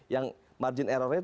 yang margin errornya